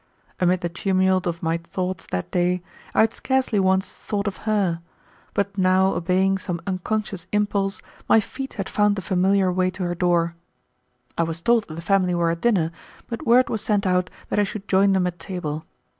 Amid the tumult of my thoughts that day, I had scarcely once thought of her, but now obeying some unconscious impulse my feet had found the familiar way to her door. I was told that the family were at dinner, but word was sent out that I should join them at table.